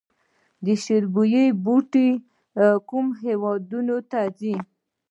شیرین بویې بوټی کومو هیوادونو ته ځي؟